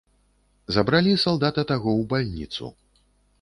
Забралі салдата таго ў бальніцу.